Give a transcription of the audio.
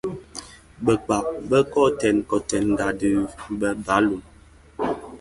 Bakpag bō kotèn kotènga dhi bë dho bë lè baloum,